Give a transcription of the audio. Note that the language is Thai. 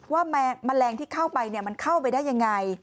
แมลงที่เข้าไปมันเข้าไปได้ยังไง